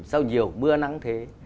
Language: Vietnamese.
sao nhiều mưa nắng thế